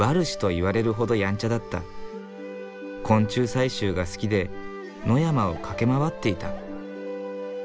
昆虫採集が好きで野山を駆けまわっていた。